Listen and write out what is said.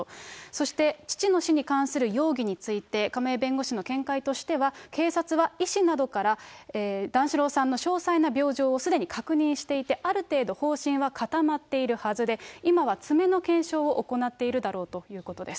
そして、父の死に関する容疑について、亀井弁護士の見解としては、警察は医師などから段四郎さんの詳細な病状をすでに確認していて、ある程度、方針は固まっているはずで、今は詰めの検証を行っているだろうということです。